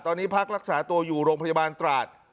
ตอนนี้พักรักษาตัวอยู่โรงพยาบาลตราด